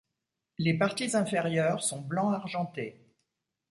Les parties inférieures sont blanc-argenté.